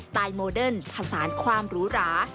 โมเดิร์นผสานความหรูหรา